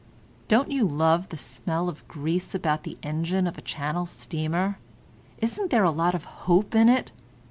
"Don't you love the smell of grease about the engine of a Channel steamer? Isn't there a lot of hope in it?"